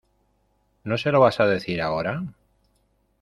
¿ no se lo vas a decir? ¿ ahora ?